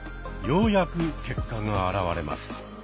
ようやく結果が現れます。